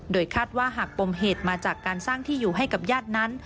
โดยคาดว่าหากปมเหตุมาจากการสร้างที่อยู่ให้กับญาตินั้น